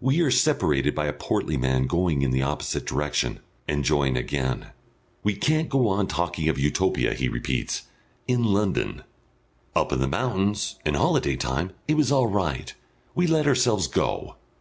We are separated by a portly man going in the opposite direction, and join again. "We can't go on talking of Utopia," he repeats, "in London.... Up in the mountains and holiday time it was all right. We let ourselves go!"